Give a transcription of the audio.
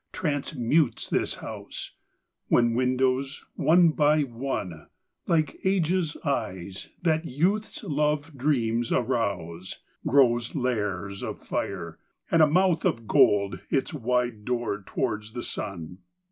transmutes this house: When windows, one by one, Like Age's eyes, that Youth's love dreams arouse, Grow lairs of fire; and a mouth of gold Its wide door towards the sun.